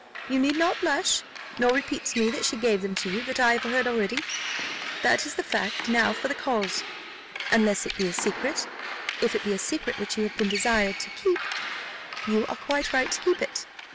"You need not blush, nor repeat to me that she gave them to you; that I have heard already that is the fact: now for the cause unless it be a secret. If it be a secret which you have been desired to keep, you are quite right to keep it.